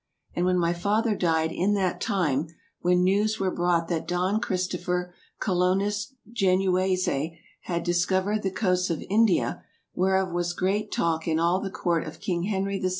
And when my father died THE EARLY EXPLORERS 35 in that time when newes were brought that Don Christopher Colonus Genuese had discouered the coasts of India, whereof was great talke in all the Court of king Henry the 7.